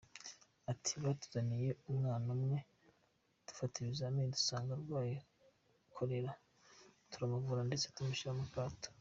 Ati “Batuzaniye umwana umwe, dufata ibizamini dusanga arwaye Cholera turamuvura ndetse tumushyira mu kato.